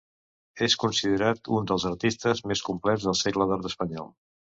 És considerat un dels artistes més complets del Segle d'Or espanyol.